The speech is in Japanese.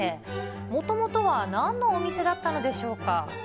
もともとはなんのお店だったのでしょうか。